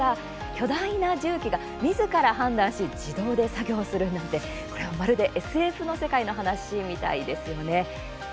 巨大な重機が、みずから判断し自動で作業するなんてまるでＳＦの世界の話みたいですよね。